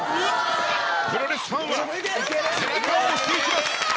プロレスファンは背中を押しています。